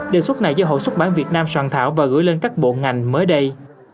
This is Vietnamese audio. đề xuất này do hội xuất bản việt nam soạn thảo và gửi lên các bộ ngành mới đây